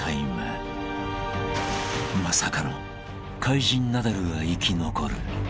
［まさかの怪人ナダルが生き残る］